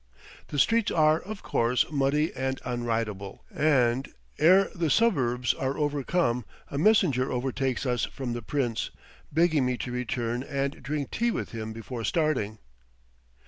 The streets are, of course, muddy and unridable, and ere the suburbs are overcome a messenger overtakes us from the Prince, begging me to return and drink tea with him before starting.